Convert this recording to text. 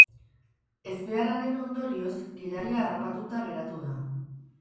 Ezbeharraren ondorioz, gidaria harrapatuta geratu da.